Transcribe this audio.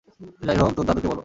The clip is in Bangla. যাই হোক, তোর দাদুকে বল!